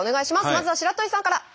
まずは白鳥さんから。